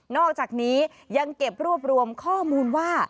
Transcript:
อกจากนี้ยังเก็บรวบรวมข้อมูลว่า